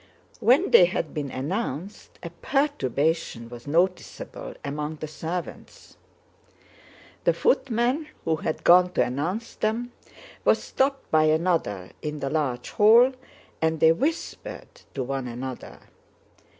When they had been announced a perturbation was noticeable among the servants. The footman who had gone to announce them was stopped by another in the large hall and they whispered to one another.